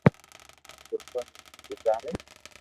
ھين غربت ۾ زندگي گزاري